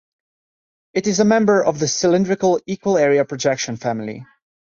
It is a member of the cylindrical equal-area projection family.